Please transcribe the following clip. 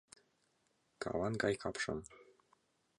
Каван гай капшым